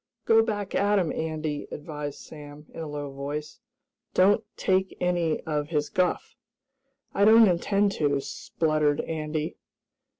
"Go back at him, Andy," advised Sam, in a low voice. "Don't take any of his guff!" "I don't intend to," spluttered Andy.